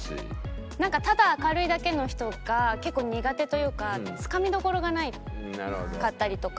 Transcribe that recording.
ただ明るいだけの人が結構苦手というかつかみどころがなかったりとか。